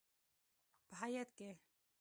په هیات کې: